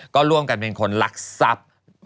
ก็ร่วมกันเป็นคนลักทรัพย์